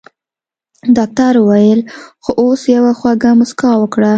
ډاکټر وويل خو اوس يوه خوږه مسکا وکړه.